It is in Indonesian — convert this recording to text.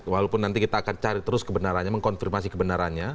walaupun nanti kita akan cari terus kebenarannya mengkonfirmasi kebenarannya